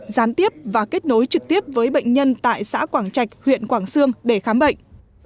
gián tiếp và kết nối trực tiếp với bệnh nhân tại xã quảng trạch huyện quảng sương để khám bệnh